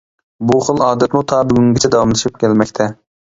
بۇ خىل ئادەتمۇ تا بۈگۈنگىچە داۋاملىشىپ كەلمەكتە.